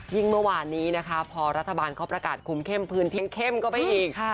ยิ่งเมื่อวานนี้นะคะพอรัฐบาลเขาประกาศคุ้มเข้มพื้นที่เข้มก็ไปอีก